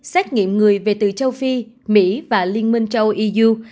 xét nghiệm người về từ châu phi mỹ và liên minh châu iuu